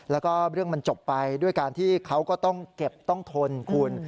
แล้วก็เรื่องมันจบไปด้วยการที่เขาก็ต้องเก็บต้องทนคุณ